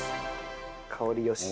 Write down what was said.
香りよし。